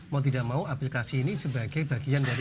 mau tidak mau aplikasi ini sebagai bagian dari